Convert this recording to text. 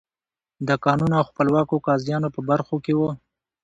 د قانون او خپلواکو قاضیانو په برخو کې وو.